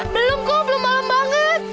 belum kok belum malam banget